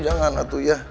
jangan atuh ya